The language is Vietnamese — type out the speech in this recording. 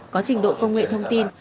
có trình độ công nghệ thông tin